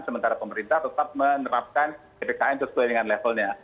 sementara pemerintah tetap menerapkan ppkm sesuai dengan levelnya